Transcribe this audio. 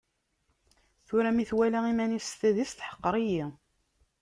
Tura mi twala iman-is s tadist, teḥqer-iyi.